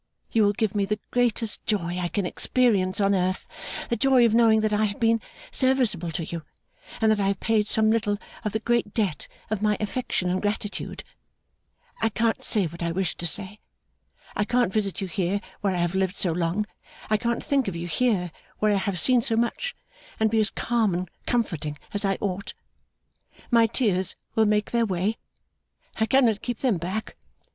you will give me the greatest joy I can experience on earth, the joy of knowing that I have been serviceable to you, and that I have paid some little of the great debt of my affection and gratitude. I can't say what I wish to say. I can't visit you here where I have lived so long, I can't think of you here where I have seen so much, and be as calm and comforting as I ought. My tears will make their way. I cannot keep them back.